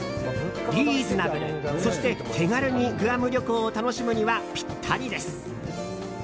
リーズナブル、そして手軽にグアム旅行を楽しむにはぴったりです。